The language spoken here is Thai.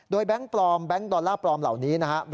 แก๊งปลอมแบงค์ดอลลาร์ปลอมเหล่านี้นะครับ